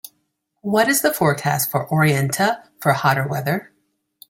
what is the forecast for Orienta for hotter weather